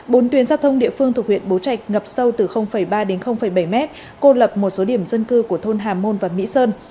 bốn tuyến giao thông địa phương thuộc huyện bố trạch ngập sâu từ ba đến bảy mét cô lập một số điểm dân cư của thôn hà môn và mỹ sơn